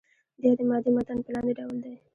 د یادې مادې متن په لاندې ډول دی.